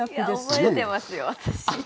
覚えてますよ私。